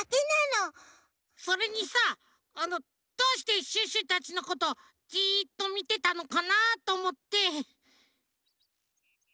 それにさあのどうしてシュッシュたちのことじっとみてたのかなとおもって。